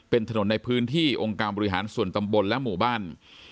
เป็นถนนในพื้นที่องค์การบริหารส่วนตำบลและหมู่บ้าน